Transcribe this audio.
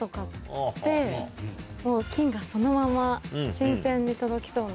もう菌がそのまま新鮮に届きそうな。